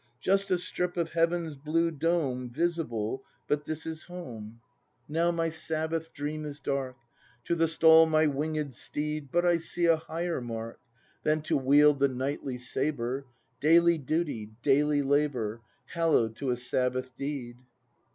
Just a strip of heaven's blue dome Visible;— but this is Home. ACT II] BRAND 97 Now my Sabbath dream is dark; To the stall my winged steed; But I see a higher Mark. Than to wield the knightly sabre, — Daily duty, daily labor. Hallo w'd to a Sabbath deed.